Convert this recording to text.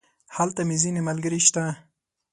هلته مې ځينې ملګري شته.